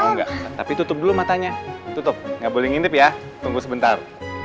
oh enggak tapi tutup dulu matanya tutup nggak boleh ngintip ya tunggu sebentar